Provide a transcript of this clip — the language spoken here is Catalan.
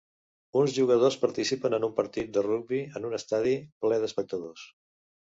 Uns jugadors participen en un partit de rugbi en un estadi ple d'espectadors.